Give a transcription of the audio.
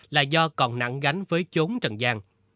là do còn nặng gánh với chốn trần giang